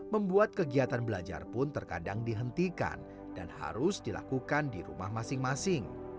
membuat kegiatan belajar pun terkadang dihentikan dan harus dilakukan di rumah masing masing